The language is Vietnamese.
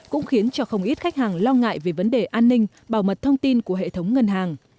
cũng khiến cho không ít khách hàng lo ngại về vấn đề an ninh bảo mật thông tin của hệ thống ngân hàng